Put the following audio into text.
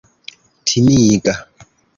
timiga